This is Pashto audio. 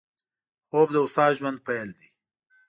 خوب د هوسا ژوند پيل دی